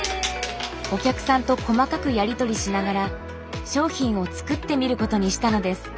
お客さんと細かくやり取りしながら商品を作ってみることにしたのです。